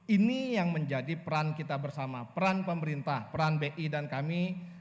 ini yang menjadi peran kita bersama peran pemerintah peran bi dan kami